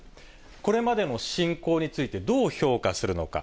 これまでの侵攻について、どう評価するのか？